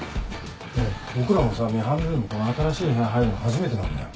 僕らもさミハンルームこの新しい部屋入るの初めてなんだよ。